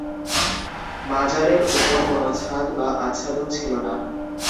মাজারের ওপর কোনো ছাদ বা আচ্ছাদন ছিল না।